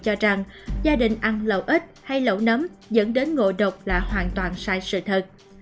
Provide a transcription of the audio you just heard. cho rằng gia đình ăn lầu ít hay lẩu nấm dẫn đến ngộ độc là hoàn toàn sai sự thật